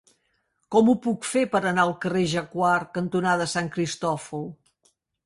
Com ho puc fer per anar al carrer Jacquard cantonada Sant Cristòfol?